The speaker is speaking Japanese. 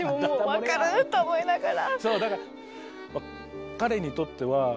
分かると思いながら。